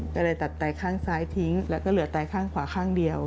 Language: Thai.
ก็เลยตัดไตข้างซ้ายทิ้งแล้วก็เหลือไตข้างขวาข้างเดียว